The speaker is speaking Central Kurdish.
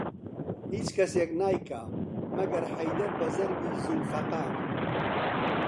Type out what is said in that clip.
هیچ کەسێک نایکا مەگەر حەیدەر بە زەربی زولفەقار